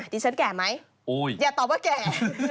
ที่ฉันแก่ไหมอย่าตอบว่าแก่